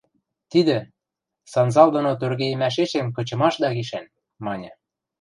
– Тидӹ – санзал доно торгейӹмӓшешем кычымашда гишӓн! – маньы.